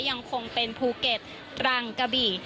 ยังคงเป็นภูเก็ตตรังกะบี่